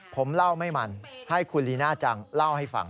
ผมเล่าไม่มันให้คุณลีน่าจังเล่าให้ฟัง